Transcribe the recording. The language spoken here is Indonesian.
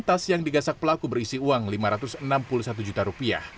tas yang digasak pelaku berisi uang lima ratus enam puluh satu juta